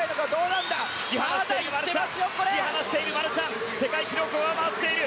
引き離しているマルシャン、世界記録上回る。